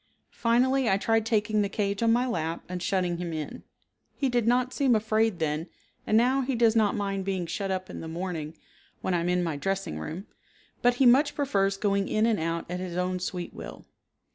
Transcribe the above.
Finally I tried taking the cage on my lap and shutting him in; he did not seem afraid then and now he does not mind being shut up in the morning when I am in my dressing room, but he much prefers going in and out at his own sweet will.